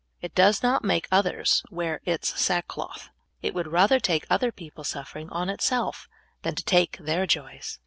It does not make others wear its sackcloth. It w^ould rather take other people's sufferings on itself than to take their joys.